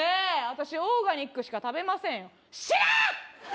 私オーガニックしか食べません知らん！